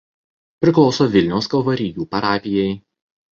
Priklauso Vilniaus Kalvarijų parapijai.